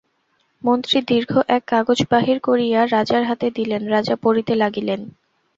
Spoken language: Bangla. মন্ত্রী দীর্ঘ এক কাগজ বাহির করিয়া রাজার হাতে দিলেন, রাজা পড়িতে লাগিলেন।